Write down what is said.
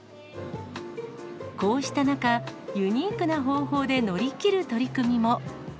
こうした中、ユニークな方法で乗り切る取り組みも。